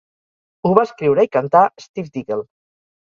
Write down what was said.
Ho va escriure i cantar Steve Diggle.